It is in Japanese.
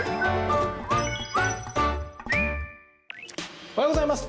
おはようございます。